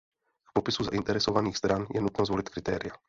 K popisu zainteresovaných stran je nutno zvolit kritéria.